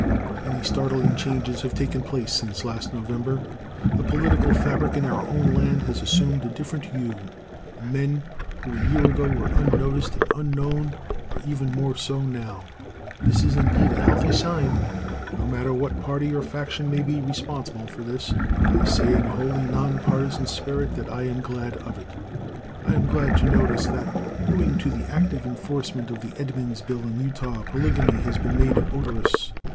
Many startling changes have taken place since last November. The political fabric in our own land has assumed a different hue, and men who a year ago were unnoticed and unknown are even more so now. This is indeed a healthy sign. No matter what party or faction may be responsible for this, I say in a wholly non partisan spirit, that I am glad of it. I am glad to notice that, owing to the active enforcement of the Edmunds bill in Utah, polygamy has been made odorous.